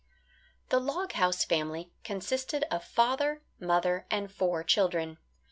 The log house family consisted of father, mother, and four children.